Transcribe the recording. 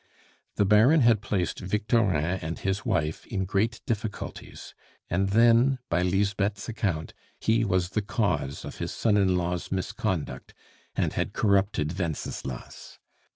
The Baron had placed Victorin and his wife in great difficulties; and then, by Lisbeth's account, he was the cause of his son in law's misconduct, and had corrupted Wenceslas.